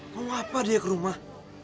mau apa dia ke rumah